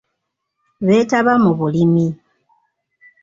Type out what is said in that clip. Beetaba mu bulimi.